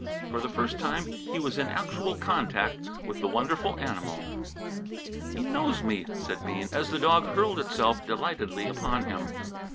For the first time he was in actual contact with the wonderful animal. "He knows me," said Bean, as the dog hurled itself delightedly upon him.